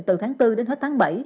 từ tháng bốn đến hết tháng bảy